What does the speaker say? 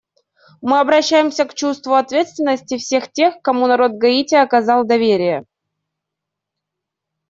Мы обращаемся к чувству ответственности всех тех, кому народ Гаити оказал доверие.